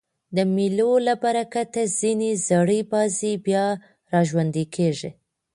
د مېلو له برکته ځیني زړې بازۍ بیا راژوندۍ کېږي.